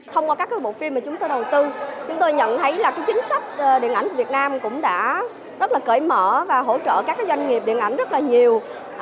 thông qua các bộ phim mà chúng tôi đầu tư chúng tôi nhận thấy là chính sách điện ảnh của việt nam cũng đã rất là cởi mở và hỗ trợ các doanh nghiệp điện ảnh rất là nhiều